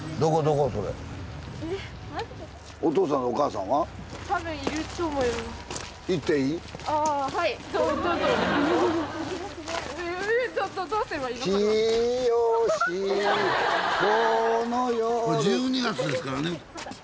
これ１２月ですからね。